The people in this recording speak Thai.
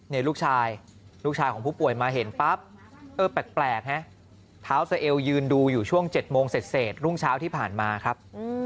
นี่ลูกชายลูกชายของผู้ป่วยมาเห็นปั๊บเออแปลกฮะเท้าสะเอวยืนดูอยู่ช่วง๗โมงเสร็จรุ่งเช้าที่ผ่านมาครับ